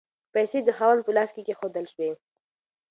پیسې د خاوند په لاس کې کیښودل شوې.